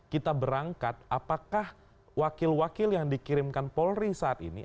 kita berangkat apakah wakil wakil yang dikirimkan polri saat ini